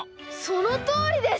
そのとおりです！